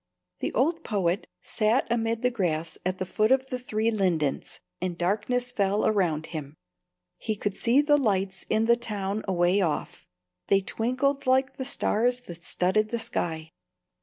The old poet sat amid the grass at the foot of the three lindens, and darkness fell around him. He could see the lights in the town away off; they twinkled like the stars that studded the sky.